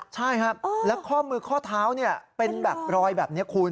ใช่ครับแล้วข้อมือข้อเท้าเป็นแบบรอยแบบนี้คุณ